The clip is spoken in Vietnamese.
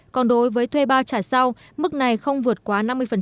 còn đối với thuê bao trả sau mức này không vượt quá năm mươi